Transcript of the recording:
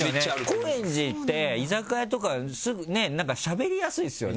高円寺って居酒屋とかすぐねぇしゃべりやすいですよね